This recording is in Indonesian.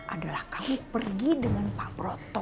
adalah kamu pergi dengan pak proto